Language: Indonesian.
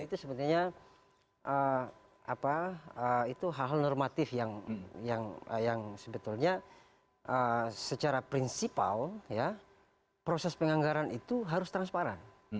itu sebenarnya hal hal normatif yang sebetulnya secara prinsipal proses penganggaran itu harus transparan